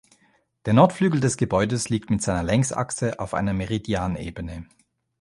Der Nordflügel des Gebäudes liegt mit seiner Längsachse auf einer Meridian-Ebene.